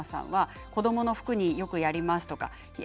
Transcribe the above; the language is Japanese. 子どもの服によくやります。